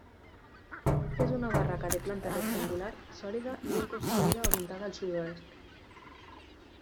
És una barraca de planta rectangular, sòlida i ben construïda orientada al sud-oest.